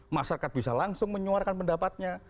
masyarakat bisa langsung menyuarkan pendapatnya